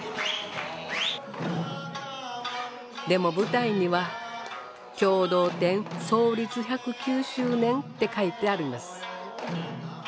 でも舞台には「共同店創立１０９周年」って書いてあります。